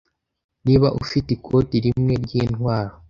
niba ufite Ikoti rimwe ryintwaro